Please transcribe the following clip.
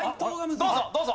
どうぞどうぞ。